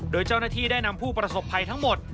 โดยเจ้าหน้าที่ได้นำผู้ประสบภัยทั้งหมด